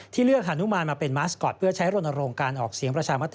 เลือกฮานุมานมาเป็นมาสกอร์ตเพื่อใช้รณรงค์การออกเสียงประชามติ